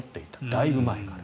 だいぶ前から。